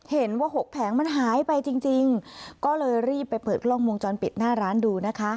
หกแผงมันหายไปจริงก็เลยรีบไปเปิดกล้องวงจรปิดหน้าร้านดูนะคะ